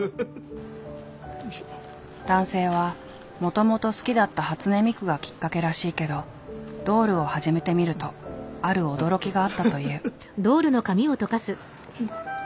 男性はもともと好きだった初音ミクがきっかけらしいけどドールを始めてみるとある驚きがあったという。